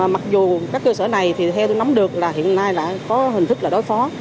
mặc dù các cơ sở này thì theo tôi nắm được là hiện nay đã có hình thức là đối phó